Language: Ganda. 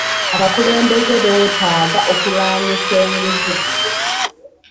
Abakulembeze beetaaga okulwanyisa enguzi.